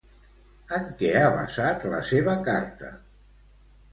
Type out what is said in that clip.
En què ha basat la seva carta?